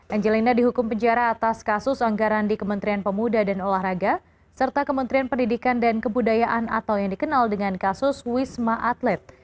angelina dihukum penjara atas kasus anggaran di kementerian pemuda dan olahraga serta kementerian pendidikan dan kebudayaan atau yang dikenal dengan kasus wisma atlet